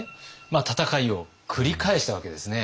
戦いを繰り返したわけですね。